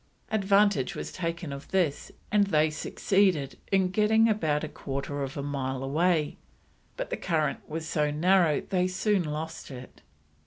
Advantage was taken of this, and they succeeded in getting about a quarter of a mile away, but the current was so narrow they soon lost it.